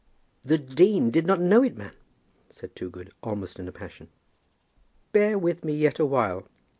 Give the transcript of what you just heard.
"The dean did not know it, man," said Toogood, almost in a passion. "Bear with me yet awhile.